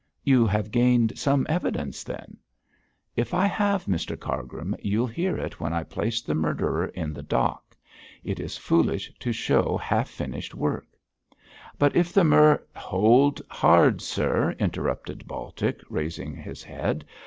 'You have gained some evidence, then?' 'If I have, Mr Cargrim, you'll hear it when I place the murderer in the dock. It is foolish to show half finished work.' 'But if the mur ' 'Hold hard, sir!' interrupted Baltic, raising his head.